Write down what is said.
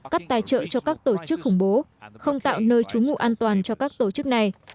cắt tài trợ cho các tổ chức khủng bố không tạo nơi trú ngụ an toàn cho các tổ chức này